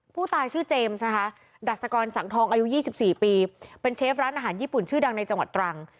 ผู้ตายชื่อเจมส์นะคะดัชกรสังทองอายุ๒๔ปีเป็นเชฟร้านอาหารญี่ปุ่นชื่อดังในจังหวัดตรัง